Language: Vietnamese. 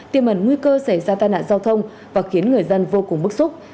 tiềm ẩn nguy cơ xảy ra tai nạn giao thông và khiến người dân vô cùng bức xúc